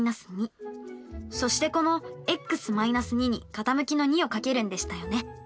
そしてこのｘ−２に傾きの２を掛けるんでしたよね。